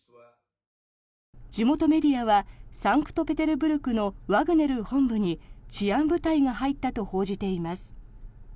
地元メディアはサンクトペテルブルクのワグネル本部に治安部隊が入ったと報じています。